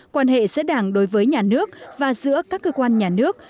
quan hệ giữa đảng đối với nhà nước và giữa các cơ quan nhà nước